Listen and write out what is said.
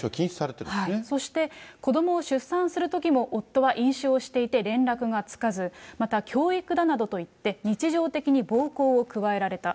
そして、子どもを出産するときも夫は飲酒をしていて連絡がつかず、また教育だなどと言って、日常的に暴行を加えられた。